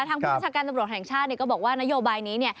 ทางผู้ประชักการตำรวจแห่งชาติก็บอกว่านโยบายนี้